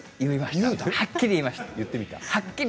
はっきり言いました。